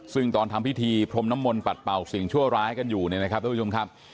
ซึ่งตอนทำพิธีพรมน้ำมนต์ปัดเป่าสิ่งชั่วร้ายกันอยู่เนี่ยนะครับทุกผู้ชมครับ